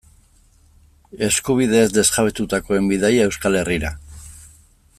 Eskubideez desjabetutakoen bidaia Euskal Herrira.